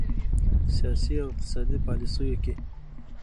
سیاسي او اقتصادي پالیسیو کې